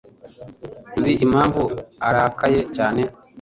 Uzi impamvu arakaye cyane?